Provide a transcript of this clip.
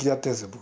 僕。